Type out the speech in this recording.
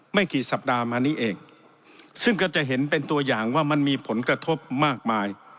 ไม่กี่สัปดาห์มานี้เองซึ่งก็จะเห็นเป็นตัวอย่างว่ามันมีผลกระทบมากมาย